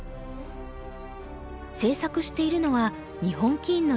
制作しているのは日本棋院の出版部です。